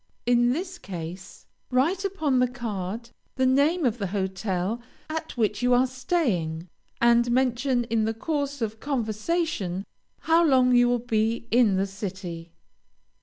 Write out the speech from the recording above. In this case, write upon the card the name of the hotel at which you are staying, and mention in the course of conversation, how long you will be in the city.